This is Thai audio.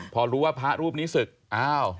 พอรู้ว่าพระรูปนี้ศึกอ้าว